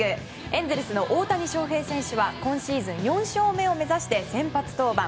エンゼルスの大谷翔平選手は今シーズン４勝目を目指して先発登板。